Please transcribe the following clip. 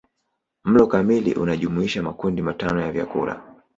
Mlo kamili unajumuisha makundi matano ya vyakula